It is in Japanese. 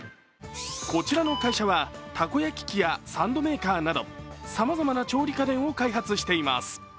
こちらの会社はたこ焼き器やサンドメーカーなどさまざまな調理家電を開発しています。